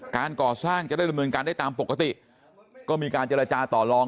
การก่อสร้างจะได้ดำเนินการได้ตามปกติก็มีการเจรจาต่อลอง